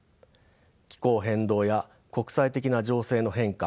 気候変動や国際的な情勢の変化